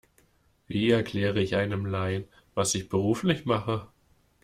Wie erkläre ich einem Laien, was ich beruflich mache?